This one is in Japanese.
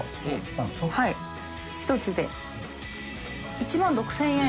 １万６０００円？